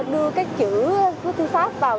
đưa cái chữ pháp vào